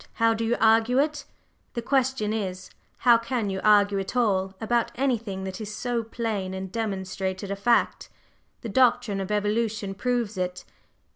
"How do you argue it? The question is, how can you argue at all about anything that is so plain and demonstrated a fact? The doctrine of evolution proves it.